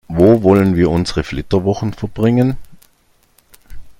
Wo wollen wir unsere Flitterwochen verbringen?